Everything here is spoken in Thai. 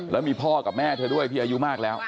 แล้วมีพ่อกับแม่เธอด้วยที่อายุมากแล้ว